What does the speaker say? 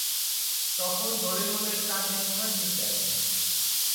তখন ডোরেমনের কাজে সাহায্য চাই।